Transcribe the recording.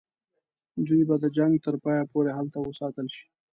دوی به د جنګ تر پایه پوري هلته وساتل شي.